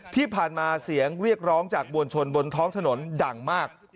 ที่ผ่านมาเสียงเรียกร้องจากบวนชนบนท้องถนนดังมาก